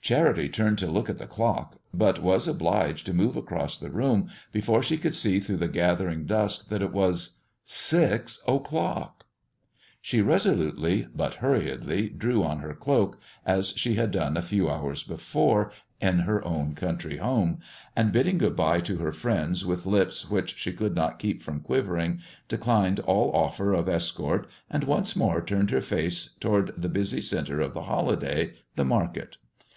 Charity turned to look at the clock, but was obliged to move across the room before she could see through the gathering dusk, that it was six o'clock! She resolutely but hurriedly drew on her cloak, as she had done a few hours before, in her own country home; and bidding good bye to her friends with lips which she could not keep from quivering, declined all offer of escort and once more turned her face toward that busy center of the holiday, the market.